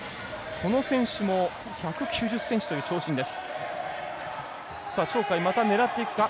この選手も１９０ｃｍという長身です。